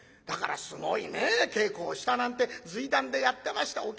だからすごいね稽古をしたなんて随談でやってました。